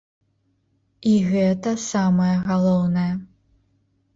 І гэта самае галоўнае.